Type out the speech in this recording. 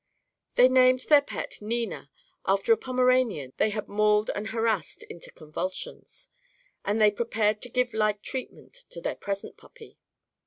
They named their pet "Nina," after a Pomeranian they had mauled and harassed into convulsions. And they prepared to give like treatment to their present puppy.